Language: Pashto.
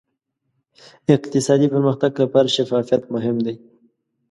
اقتصادي پرمختګ لپاره شفافیت مهم دی.